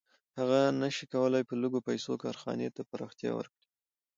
هغه نشي کولی په لږو پیسو کارخانې ته پراختیا ورکړي